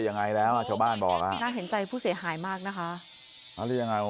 ยังไงแล้วชาวบ้านบอกน่าเห็นใจผู้เสียหายมากนะคะเอายัง